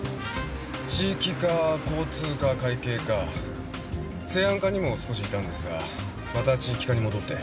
地域課交通課会計課生安課にも少しいたんですがまた地域課に戻って。